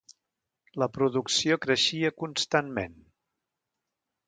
La producció creixia constantment.